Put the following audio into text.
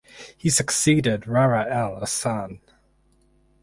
He succeeded Raya El Hassan.